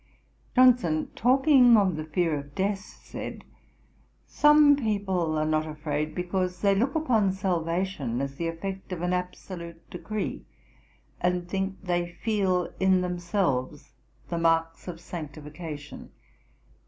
Johnson, talking of the fear of death, said, 'Some people are not afraid, because they look upon salvation as the effect of an absolute decree, and think they feel in themselves the marks of sanctification.